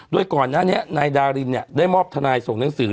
โดยก่อนหน้านี้นายดารินได้มอบทนายส่งหนังสือ